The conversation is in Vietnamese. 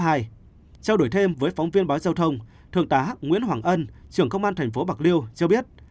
trao đổi thêm với phóng viên báo giao thông thượng tá nguyễn hoàng ân trưởng công an tp bạc liêu cho biết